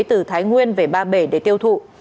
từ thái nguyên về ba bể để tiêu thụ